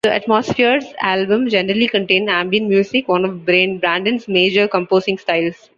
The AtmosphereS albums generally contain ambient music, one of Brandon's major composing styles.